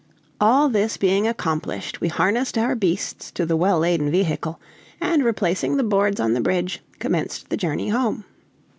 All this being accomplished, we harnessed our beasts to the well laden vehicle, and replacing the boards on the bridge, commenced the journey home.